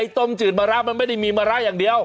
ต้มจืดมะระมันไม่ได้มีมะระอย่างเดียว